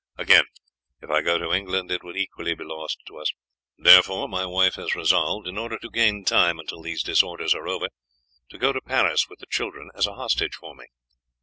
Again, if I go to England, it would equally be lost to us. Therefore my wife has resolved, in order to gain time until these disorders are over, to go to Paris with the children as a hostage for me.